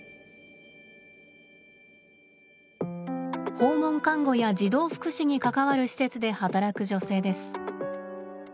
訪問看護や児童福祉に関わる施設で働く女性です。